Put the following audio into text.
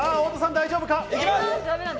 大丈夫か？